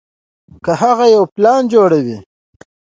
کۀ هغه يو پلان جوړوي